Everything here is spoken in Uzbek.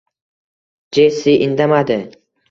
Jessi indamadi